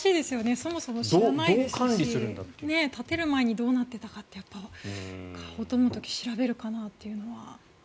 そもそも知らないですし建てる前にどうなってたかって買う時に調べるかなってのは。